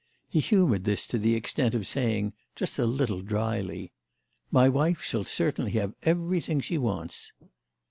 He humoured this to the extent of saying just a little dryly: "My wife shall certainly have everything she wants."